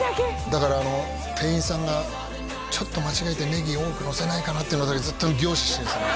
だから店員さんがちょっと間違えてネギ多くのせないかなっていうのだけずっと凝視してですね